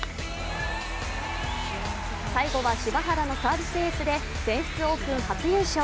最後は柴原のサービスエースで全仏オープン初優勝。